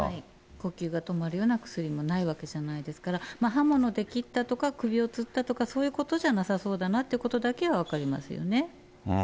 呼吸が止まるような薬もないわけではないですから、刃物で切ったとか、首をつったとか、そういうことじゃなさそうだなということだけは分かりますよね。